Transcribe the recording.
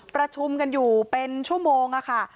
ประชุมกันอยู่เป็นชั่วโมงค่ะ